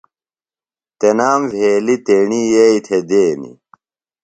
تنام وہیلیۡ تیݨیۡ یئیئۡی تھےۡ دینیۡ۔